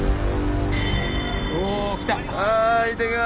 はい行ってきます！